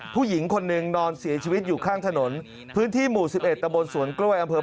ผู้เสียชีวิตคือนางสุนันนะครับ